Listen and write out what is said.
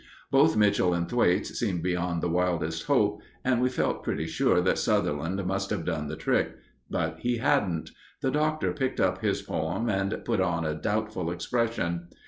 Both Mitchell and Thwaites seemed beyond the wildest hope, and we felt pretty sure that Sutherland must have done the trick. But he hadn't. The Doctor picked up his poem and put on a doubtful expression.